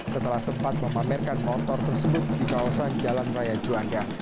setelah sempat memamerkan motor tersebut di kawasan jalan raya juanda